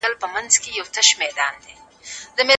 کډوال انسانان دي.